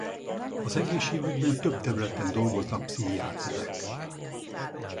Az egészségügyben több területen dolgoznak pszichiáterek.